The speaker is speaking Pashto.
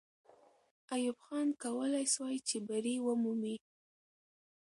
ایوب خان کولای سوای چې بری ومومي.